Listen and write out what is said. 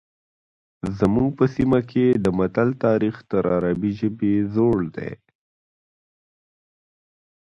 زموږ په سیمه کې د متل تاریخ تر عربي ژبې زوړ دی